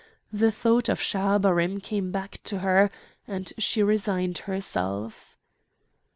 The thought of Schahabarim came back to her, and she resigned herself.